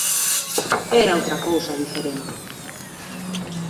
Era outra cousa diferente.